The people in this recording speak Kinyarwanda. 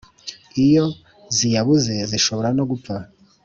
iyo ziyabuze zishobora no gupfa